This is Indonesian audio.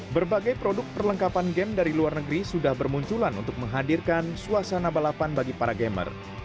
berbagai produk perlengkapan game dari luar negeri sudah bermunculan untuk menghadirkan suasana balapan bagi para gamer